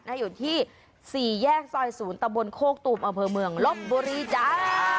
อยู่ที่๔แยกซอย๐ตะบนโคกตูมอำเภอเมืองลบบุรีจ้า